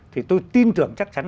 thì tôi tin tưởng chắc chắn